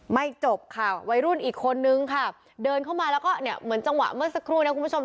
จบค่ะวัยรุ่นอีกคนนึงค่ะเดินเข้ามาแล้วก็เนี่ยเหมือนจังหวะเมื่อสักครู่เนี่ยคุณผู้ชม